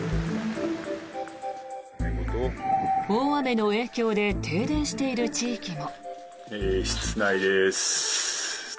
大雨の影響で停電している地域も。